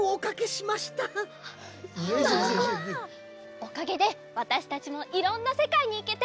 おかげでわたしたちもいろんなせかいにいけて。